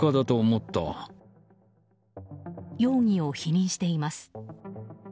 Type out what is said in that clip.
容疑を否認しています。